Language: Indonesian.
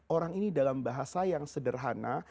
orang ini dalam bahasa yang sederhana